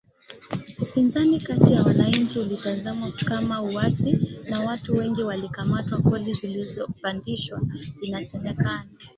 Upinzani kati ya wananchi ulitazamwa kama uasi na watu wengi walikamatwa Kodi zilipandishwaInasemekana